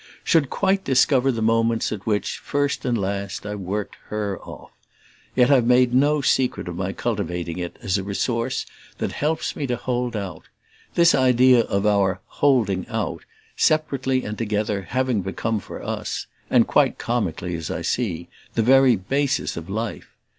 should quite discover the moments at which, first and last, I've worked HER off. Yet I've made no secret of my cultivating it as a resource that helps me to hold out; this idea of our "holding out," separately and together, having become for us and quite comically, as I see the very basis of life.